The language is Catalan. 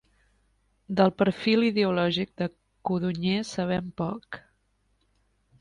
Del perfil ideològic de Codonyer sabem poc.